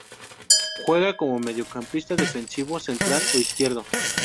Juega como mediocampista defensivo central o izquierdo.